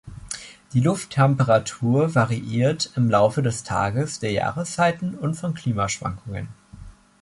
Die Lufttemperatur variiert im Laufe des Tages, der Jahreszeiten und von Klimaschwankungen.